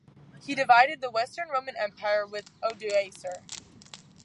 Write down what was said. He divided the Western Roman Empire with Odoacer.